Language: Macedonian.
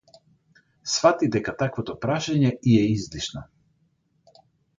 Сфати дека таквото прашање ѝ е излишно.